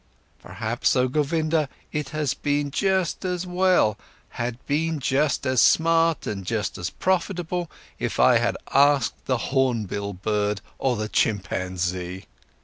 Perhaps, oh Govinda, it had been just as well, had been just as smart and just as profitable, if I had asked the hornbill bird or the chimpanzee.